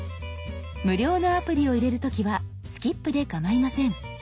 無料のアプリを入れる時は「スキップ」でかまいません。